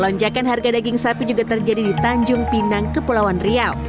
lonjakan harga daging sapi juga terjadi di tanjung pinang kepulauan riau